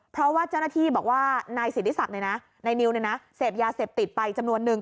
เพราะว่าเจ้าหน้าที่บอกว่านายสิทธิศักดิ์นายนิวเสพยาเสพติดไปจำนวนนึง